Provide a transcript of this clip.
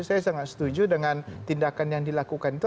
saya sangat setuju dengan tindakan yang dilakukan itu